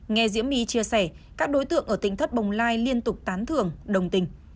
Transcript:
nghe diễm my chia sẻ các đối tượng ở tỉnh thất bồng lai liên tục tán thường đồng tình